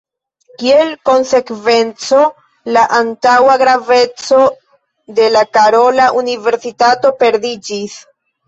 Kiel konsekvenco la antaŭa graveco de la Karola universitato perdiĝis.